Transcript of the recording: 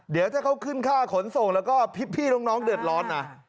เดี๋ยวถ้าเขาขึ้นค่าขนส่งแล้วก็พี่น้องเดือดร้อนนะ